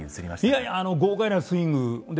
いやいやいや豪快なスイングで。